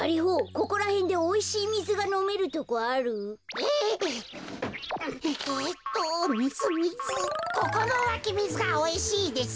ここのわきみずがおいしいです。